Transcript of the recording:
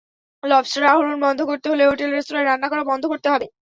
Lobster আহরণ বন্ধ করতে হলে হোটেল–রেস্তোরাঁয় রান্না করা বন্ধ করতে হবে।